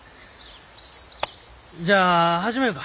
じゃあ始みょうか。